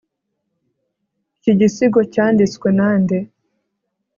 Iki gisigo cyanditswe nande